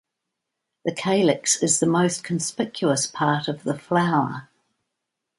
The calyx is the most conspicuous part of the flower.